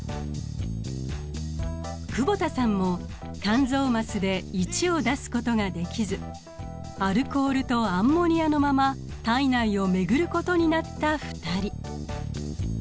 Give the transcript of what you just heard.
久保田さんも「肝臓」マスで１を出すことができずアルコールとアンモニアのまま体内を巡ることになった２人。